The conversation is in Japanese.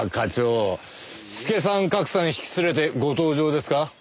助さん格さん引き連れてご登場ですか？